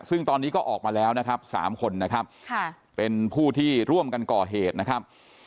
ซึ่งตอนนี้ก็ออกมาแล้วนะครับ๓คนนะครับเป็นผู้ที่ร่วมกันก่อเหตุนะครับ